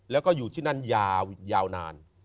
แล้วก็อยู่ที่นั่นยาวนาน